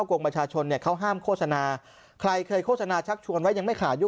กงประชาชนเนี่ยเขาห้ามโฆษณาใครเคยโฆษณาชักชวนว่ายังไม่ขาดยุ